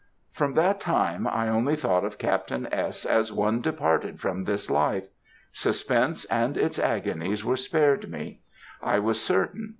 "From that time, I only thought of Captain S. as one departed from this life; suspense and its agonies were spared me. I was certain.